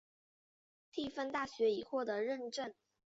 蒂芬大学已获得认证。